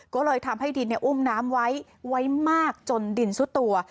ก็เลยทำให้ดินอุ้มน้ำไว้ไว้มากจนดินซุดตัว